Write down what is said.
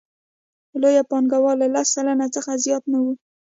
لوی پانګوال له لس سلنه څخه زیات نه وو